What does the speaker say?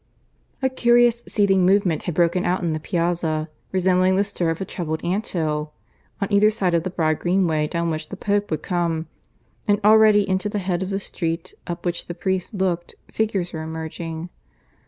(III) A curious seething movement had broken out in the piazza, resembling the stir of a troubled ant hill, on either side of the broad green way down which the Pope would come; and already into the head of the street up which the priests looked figures were emerging.